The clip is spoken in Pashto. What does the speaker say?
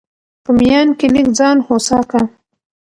په ميان کي لږ ځان هوسا کوه!